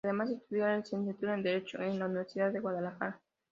Además, estudió la licenciatura en Derecho, en la Universidad de Guadalajara.